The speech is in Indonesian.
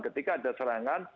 ketika ada serangan